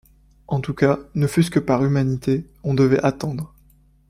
En tout cas, ne fût-ce que par humanité, on devait attendre.